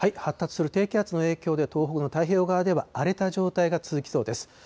発達する低気圧の影響で東北の太平洋側では荒れた状態が続きそうです。